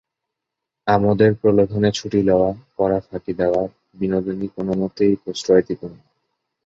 আমোদের প্রলোভনে ছুটি লওয়া, পড়া ফাঁকি দেওয়া, বিনোদিনী কোনোমতেই প্রশ্রয় দিত না।